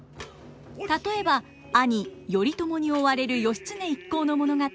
例えば兄頼朝に追われる義経一行の物語